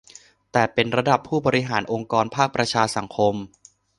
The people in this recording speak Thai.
แต่เป็นระดับผู้บริหารองค์กรภาคประชาสังคม